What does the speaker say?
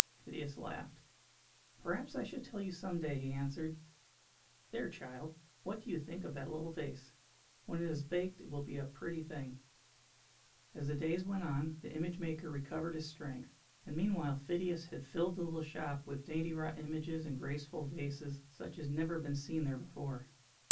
Phidias laughed. "Perhaps I shall tell you some day," he answered. "There, child, what do you think of that little vase? When it is baked it will be a pretty thing." As the days went on, the image maker recovered his strength; and meanwhile Phidias had filled the little shop with dainty wrought images and graceful vases, such as had never been seen there before.